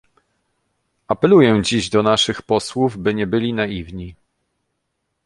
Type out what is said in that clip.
Apeluję dziś do naszych posłów, by nie byli naiwni